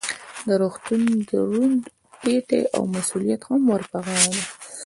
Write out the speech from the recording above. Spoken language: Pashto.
د روغتون دروند پیټی او مسؤلیت هم ور په غاړه دی.